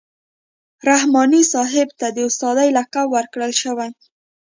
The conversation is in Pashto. رحماني صاحب ته د استادۍ لقب ورکول شوی.